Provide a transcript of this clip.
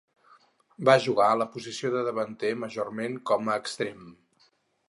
Va jugar a la posició de davanter majorment com a extrem.